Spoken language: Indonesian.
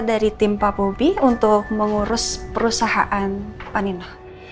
dari tim pak bopi untuk mengurus perusahaan panino